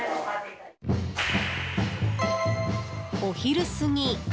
お昼過ぎ。